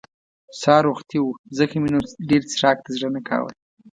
سهار وختي وو ځکه مې نو ډېر څښاک ته زړه نه کاوه.